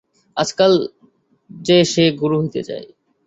আজকাল যে-সে গুরু হইতে চায়।